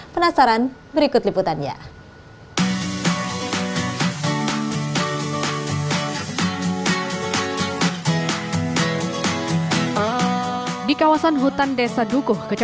penasaran berikut liputannya